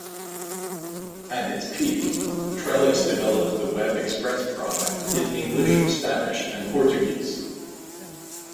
At its peak, Trellix developed the Web Express product in English, Spanish, and Portuguese.